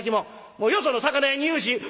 もうよその魚屋に言うし！」。